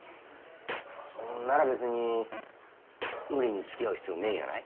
そんなら別に無理に付き合う必要ねえんやない？